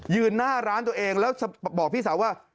หน้าร้านตัวเองแล้วบอกพี่สาวว่า